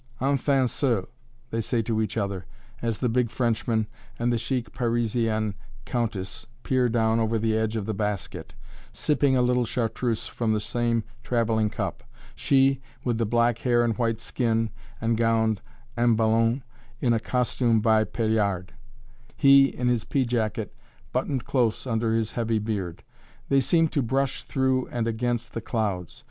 "Enfin seuls," they say to each other, as the big Frenchman and the chic Parisienne countess peer down over the edge of the basket, sipping a little chartreuse from the same traveling cup; she, with the black hair and white skin, and gowned "en ballon" in a costume by Paillard; he in his peajacket buttoned close under his heavy beard. They seem to brush through and against the clouds!